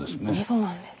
そうなんです。